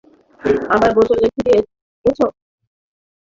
আবার বোতলে ফিরে গেছ?